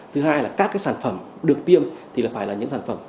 thứ hai là các cái sản phẩm được tiêm thì phải là những sản phẩm